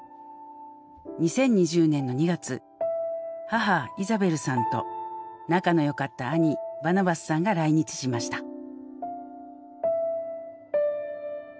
２０２０年の２月母イザベルさんと仲の良かった兄バナバスさんが来日しました。